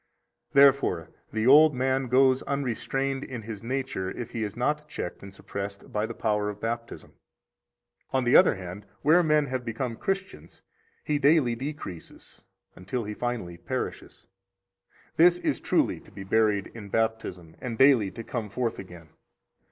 71 Therefore the old man goes unrestrained in his nature if he is not checked and suppressed by the power of Baptism. On the other hand, where men have become Christians, he daily decreases until he finally perishes. That is truly to be buried in Baptism, and daily to come forth again.